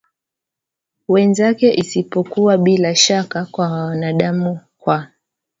wenzake isipokuwa bila shaka kwa wanadamu Kwa